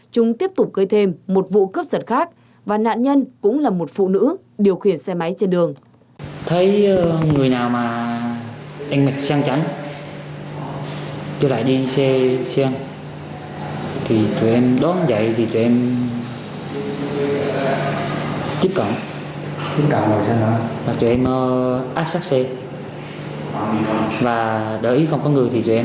chúng tiếp tục cưới thêm một vụ cướp giật khác và nạn nhân cũng là một phụ nữ điều khiển xe máy trên đường